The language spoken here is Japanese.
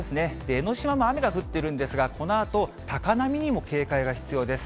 江の島も雨が降ってるんですが、このあと、高波にも警戒が必要です。